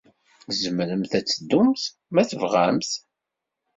Tzemremt ad teddumt, ma tebɣamt.